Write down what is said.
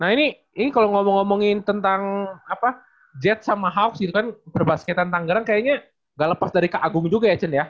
nah ini ini kalo ngomong ngomongin tentang jets sama hawks gitu kan berbasketan tanggerang kayaknya ga lepas dari keagung juga ya cen ya